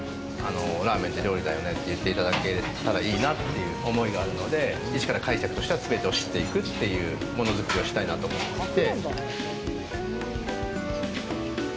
ラーメンって料理だよねって言っていただけたらいいなという思いがあるので一から会社としてはすべてを知っていくずっとしたいなと思っていて。